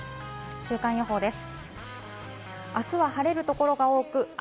週間予報です。